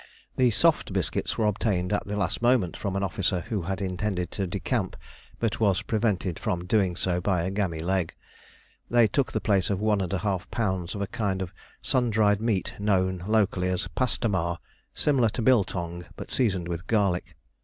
The soft biscuits were obtained at the last moment from an officer who had intended to decamp but was prevented from so doing by a game leg. They took the place of 1½ lb. of a kind of sun dried meat known locally as "pastomar," similar to "biltong," but seasoned with garlic.